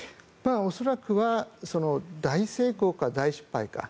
恐らくは大成功か大失敗か。